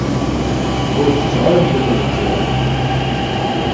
Ur tetteɣ ara lḥut azegzaw.